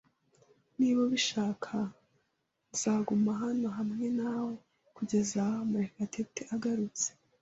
Niba ubishaka, nzaguma hano hamwe nawe kugeza Murekatete agarutse.